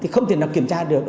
không thể nào kiểm tra được